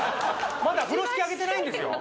まだ風呂敷あけてないんですよ